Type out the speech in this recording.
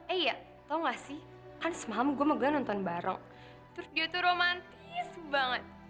iya tahu nggak sih kan semalam gua nonton bareng dia tuh romantis banget